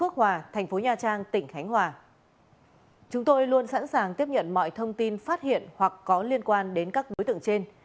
chúng tôi luôn sẵn sàng tiếp nhận mọi thông tin phát hiện hoặc có liên quan đến các đối tượng trên